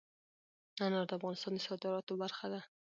انار د افغانستان د صادراتو برخه ده.